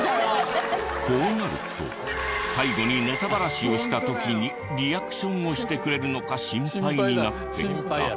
こうなると最後にネタバラシをした時にリアクションをしてくれるのか心配になってきた。